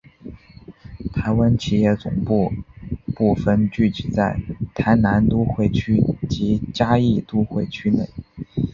台湾企业总部部份聚集在台南都会区及嘉义都会区内。